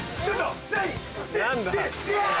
ちょっと！